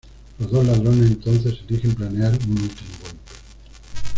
Los dos ladrones entonces eligen planear un último golpe.